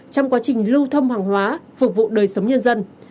trong quá trình lưu thông hàng hóa phục vụ đời sống nhân dân